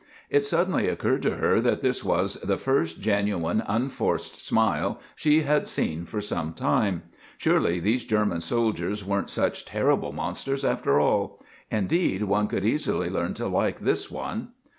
It suddenly occurred to her that this was the first genuine, unforced smile she had seen for some time. Surely these German soldiers weren't such terrible monsters, after all. Indeed, one could easily learn to like this one.